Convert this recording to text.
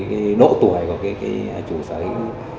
cái độ tuổi của cái chủ sở hữu